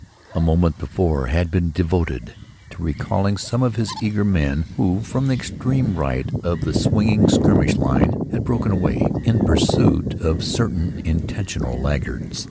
A moment more had been devoted to recalling some of his eager men who, from the extreme right of the swinging skirmish line, had broken away in pursuit of certain intentional laggards.